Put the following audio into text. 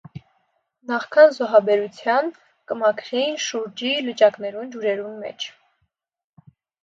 Նախքան զոհաբերութեան, «կը մաքրուէին» շուրջի լճակներուն ջուրերուն մէջ։